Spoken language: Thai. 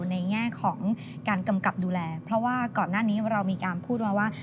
ในแง่ของการกำกับดูแลเพราะว่าก่อนหน้านี้เรามีการพูดมาว่า